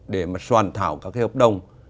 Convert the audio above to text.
để mà soàn thảo các cái hợp đồng